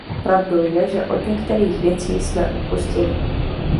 Pravdou je, že od některých věcí jsme upustili.